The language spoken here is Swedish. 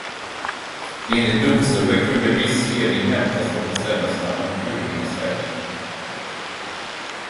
Enligt domstolen kunde viss ledning hämtas från bestämmelserna om urminnes hävd.